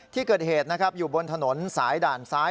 ที่เกิดเหตุนะครับอยู่บนถนนสายด่านซ้าย